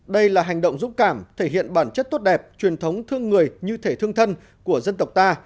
đây là hành động dũng cảm thể hiện bản chất tốt đẹp truyền thống thương người như thể thương thân của dân tộc ta